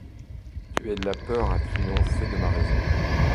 Tu aides la peur à triompher de ma raison !